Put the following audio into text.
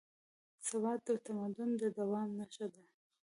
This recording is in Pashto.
ثبات د تمدن د دوام نښه ده.